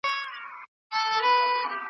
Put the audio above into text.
خوند په همغې شاعرۍ کې ما لیدلی نه دی